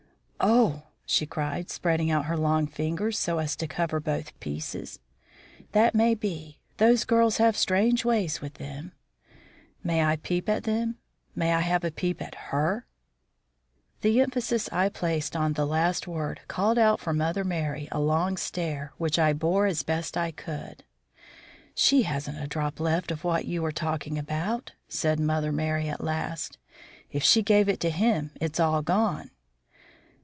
"Oh!" she cried, spreading out her long fingers so as to cover both pieces. "That may be; those girls have strange ways with them." "May I have a peep at them? May I have a peep at her?" The emphasis I placed on the last word called out from Mother Merry a long stare, which I bore as best I could. "She hasn't a drop left of what you were talking about," said Mother Merry at last. "If she gave it to him it's all gone."